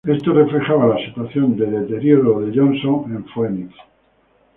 Esto reflejaba la situación en deterioro de Johnson en Phoenix.